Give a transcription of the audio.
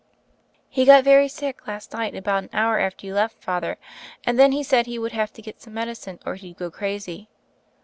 "He got very sick last night about an hour after you left, Father. And then he said he would have to get some medicine or he'd go crazy.